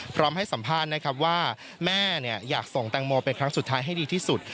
พร้อมให้สัมภาษณ์นะครับว่าแม่อยากส่งแตงโมเป็นครั้งสุดท้ายให้ดีที่สุด